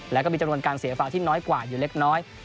แล้วก็มีจำนวนการเสียฝากที่น้อยกว่าอยู่เล็กน้อย